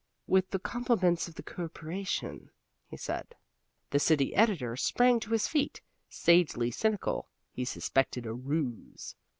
"With the compliments of the Corporation," he said. The city editor sprang to his feet. Sagely cynical, he suspected a ruse.